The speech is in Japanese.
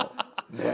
ねえ。